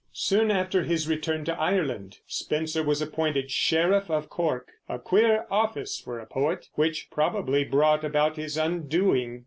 Soon after his return to Ireland, Spenser was appointed Sheriff of Cork, a queer office for a poet, which probably brought about his undoing.